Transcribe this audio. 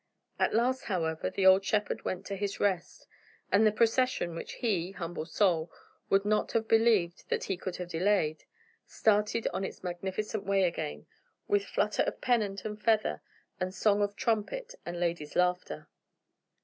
At last, however, the old shepherd went to his rest, and the procession, which he, humble soul, would not have believed that he could have delayed, started on its magnificent way again, with flutter of pennant and feather and song of trumpet and ladies' laughter.